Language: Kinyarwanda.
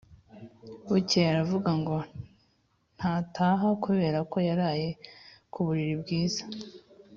bukeye aravuga ngo ntataha kubera ko yaraye ku buriri bwiza,